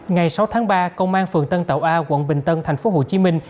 ngày sáu tháng ba công an phường tân tạo a quận bình tân thành phố hồ chí minh